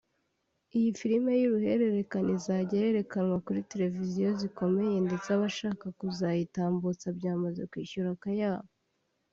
Iyi film y’uruhererekane izajya yerekanwa kuri Televiziyo zikomeye ndetse abashaka kuzayitambutsa byamaze kwishyura akayabo